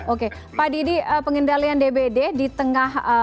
oke pak didi pengendalian dbd di tengah